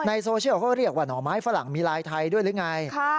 โซเชียลเขาเรียกว่าหน่อไม้ฝรั่งมีลายไทยด้วยหรือไง